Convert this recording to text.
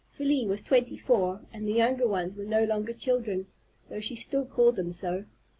Felie was twenty four, and the younger ones were no longer children, though she still called them so.